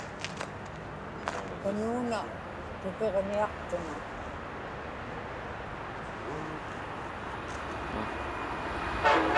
kanuuna tupiġniaqtuŋa